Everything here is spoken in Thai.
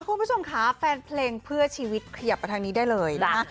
คุณผู้ชมค่ะแฟนเพลงเพื่อชีวิตขยับมาทางนี้ได้เลยนะ